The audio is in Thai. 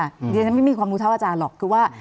เดี๋ยวฉันไม่มีความรู้เท่าอาจารย์หรอกคือว่า